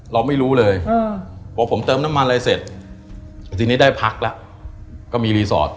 เราไม่รู้เลยพอผมเติมน้ำมันอะไรเสร็จทีนี้ได้พักแล้วก็มีรีสอร์ท